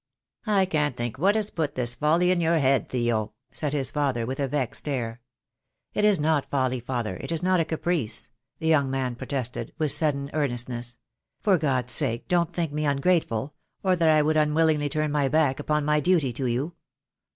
"I can't think what has put this folly in your head, Theo," said his father, with a vexed air. "It is not folly, father; it is not a caprice," the young man protested, with sudden earnestness. "For God's sake don't think me ungrateful, or that I would willingly turn my back upon my duty to you.